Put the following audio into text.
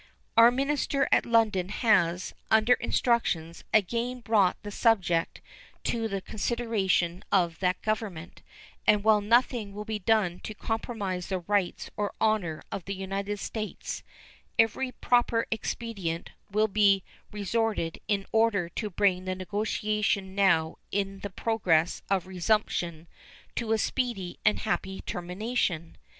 Our minister at London has, under instructions, again brought the subject to the consideration of that Government, and while nothing will be done to compromise the rights or honor of the United States, every proper expedient will be resorted to in order to bring the negotiation now in the progress of resumption to a speedy and happy termination.